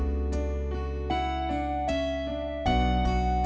udah sin jalan dulu denyan